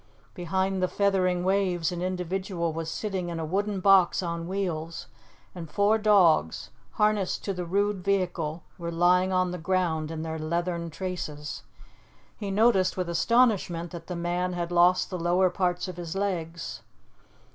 Behind the feathering waves an individual was sitting in a wooden box on wheels, and four dogs, harnessed to the rude vehicle, were lying on the ground in their leathern traces. He noticed with astonishment that the man had lost the lower parts of his legs.